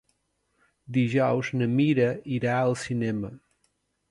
Dijous na Mira irà al cinema.